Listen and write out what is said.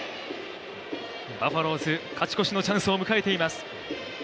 バファローズ、勝ち越しのチャンスを迎えています。